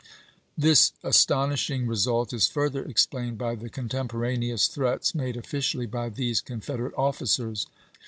This astonishing result is further explained by the contemporaneous threats made officially by these Confederate officers.